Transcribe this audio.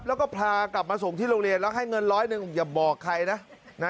แล้วก็พากลับมาส่งที่โรงเรียนแล้วให้เงินร้อยหนึ่งอย่าบอกใครนะ